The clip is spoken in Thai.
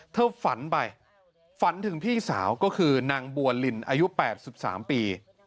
ฝันไปฝันถึงพี่สาวก็คือนางบัวลินอายุ๘๓ปี